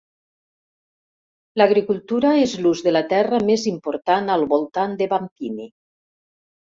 L'agricultura és l'ús de la terra més important al voltant de Bampini.